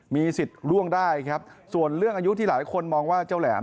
มีสิทธิ์ล่วงได้ครับส่วนเรื่องอายุที่หลายคนมองว่าเจ้าแหลม